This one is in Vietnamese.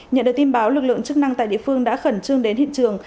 nhận được tin báo lực lượng chức năng tại địa phương đã khẩn trương đến hiện trường